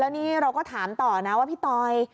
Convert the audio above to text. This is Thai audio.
นี่เราก็ถามต่อนะว่าพี่ตอย